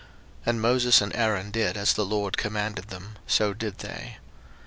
02:007:006 And Moses and Aaron did as the LORD commanded them, so did they.